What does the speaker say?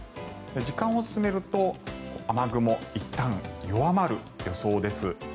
時間を進めると雨雲、いったん弱まる予想です。